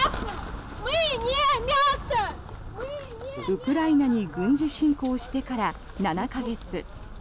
ウクライナに軍事侵攻してから７か月。